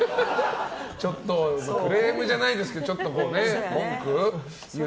ちょっとクレームじゃないですけどね、文句を。